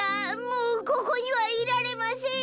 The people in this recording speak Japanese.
もうここにはいられません。